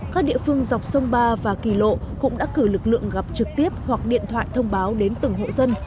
các địa phương dọc sông ba và kỳ lộ cũng đã cử lực lượng gặp trực tiếp hoặc điện thoại thông báo đến từng hộ dân